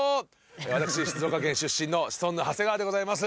私静岡県出身のシソンヌ長谷川でございます。